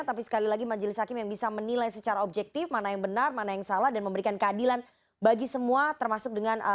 tapi sekali lagi majelis hakim yang bisa menilai secara objektif mana yang benar mana yang salah dan memberikan keadilan bagi semua termasuk dengan